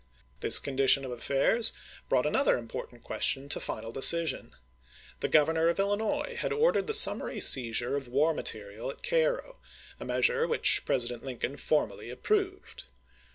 This condition of affairs brought another important question to final decision. The Governor of IlHnois had ordered the summary seizure of war material at Cairo, a measure which President Lincoln formally approved.